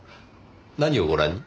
何をご覧に？